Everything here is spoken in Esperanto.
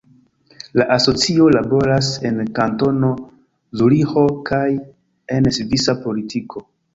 La asocio laboras en Kantono Zuriĥo kaj en svisa politiko.